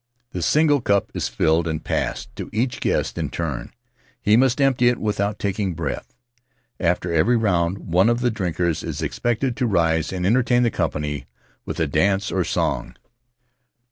The single cup is filled and passed to each guest in turn; he must empty it without taking breath. After every round one of the drinkers is expected to rise and entertain the company with a dance or a song.